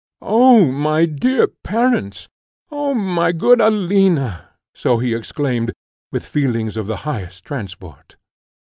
"O my dear parents! O my good Alina!" so he exclaimed, with feelings of the highest transport.